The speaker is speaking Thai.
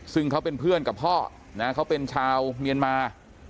ซึ่งเขาเป็นเพื่อนกับพ่อนะเขาเป็นชาวเมียนมา